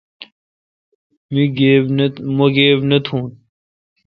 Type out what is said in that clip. مہ گیب نہ تھون